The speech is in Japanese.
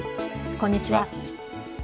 こんにちは。